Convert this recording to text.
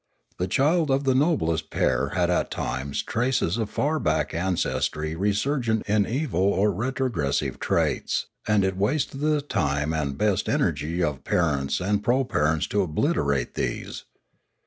The child of the noblest pair had at times traces of far back ancestry resurgent in evil or retrogressive traits; and it wasted the time and the best energy of parents and proparents to obliterate these.